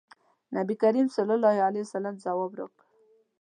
نبي کریم صلی الله علیه وسلم ځواب راکړ.